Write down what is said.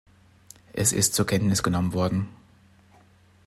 Es ist zur Kenntnis genommen worden.